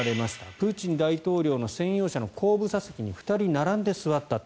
プーチン大統領の専用車の後部座席に２人並んで座ったと。